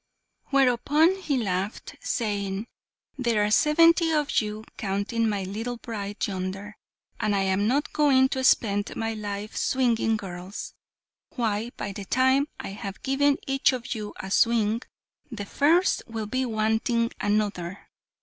Whereupon he laughed, saying, "There are seventy of you, counting my little bride yonder, and I am not going to spend my life swinging girls! Why, by the time I have given each of you a swing, the first will be wanting another!